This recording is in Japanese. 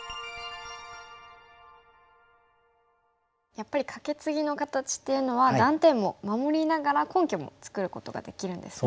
やっぱりカケツギの形っていうのは断点も守りながら根拠も作ることができるんですね。